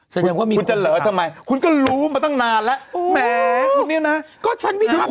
แสดงว่ามีคุณจะเหรอทำไมคุณก็รู้มาตั้งนานแล้วแหมคุณเนี่ยนะก็ฉันไม่ทัก